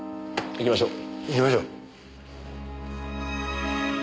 行きましょう。